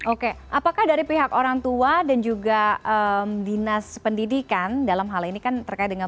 oke apakah dari pihak orang tua dan juga dinas pendidikan dalam hal ini kan terkait dengan